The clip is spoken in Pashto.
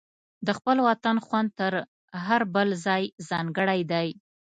د خپل وطن خوند تر هر بل ځای ځانګړی دی.